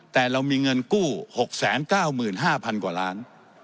แต่เรามีเงินกู้๖๙๕๐๐๐กว่าล้าน